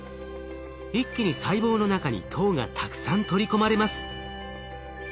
一気に細胞の中に糖がたくさん取り込まれます。